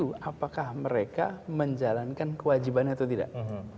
di review apakah mereka menjalankan kewajibannya atau tidak